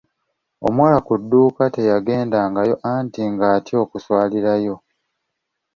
Omuwala ku dduuka teyagendayo anti nga atya okuswalirayo.